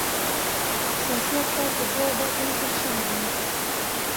سیاسي افکار پر دوو برخو وېشل سوي دي.